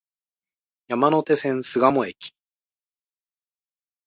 山手線、巣鴨駅